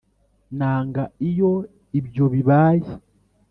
] nanga iyo ibyo bibaye.